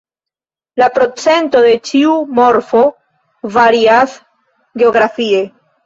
La procento de ĉiu morfo varias geografie.